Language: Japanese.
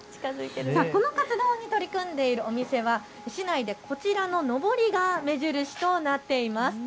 この活動に取り組んでいるお店は市内でこちらののぼりが目印となっています。